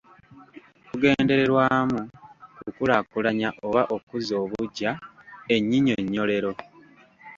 Kugendererwamu kukulaakulanya oba okuzza obuggya ennyinyonnyolero.